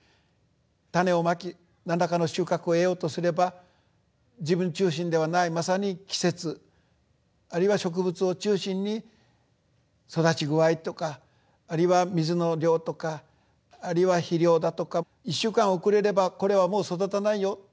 種をまき何らかの収穫を得ようとすれば自分中心ではないまさに季節あるいは植物を中心に育ち具合とかあるいは水の量とかあるいは肥料だとか１週間遅れればこれはもう育たないよ